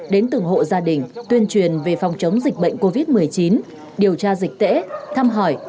đến từng hộ gia đình tuyên truyền về phòng chống dịch bệnh covid một mươi chín điều tra dịch tễ thăm hỏi